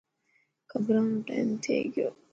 خبران رو ٽائيم ٿي گيو.